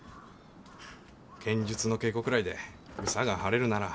剣術の稽古くらいで憂さが晴れるなら。